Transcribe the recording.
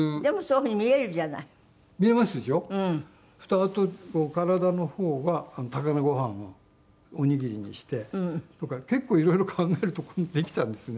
あと体の方が高菜ご飯をおにぎりにしてとか結構色々考えるとこういうのできたんですね。